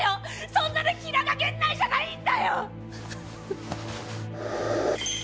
そんなの平賀源内じゃないんだよっ！